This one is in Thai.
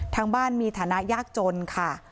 ทางบ้านมีฐานะยากจนค่ะ